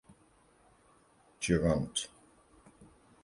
Durant.